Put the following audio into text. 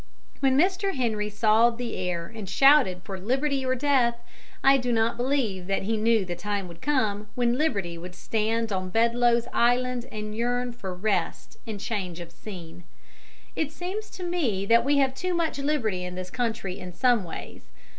When Mr. Henry sawed the air and shouted for liberty or death, I do not believe that he knew the time would come when Liberty would stand on Bedloe's Island and yearn for rest and change of scene. It seems to me that we have too much liberty in this country in some ways.